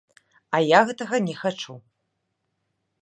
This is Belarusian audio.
А я гэтага не хачу.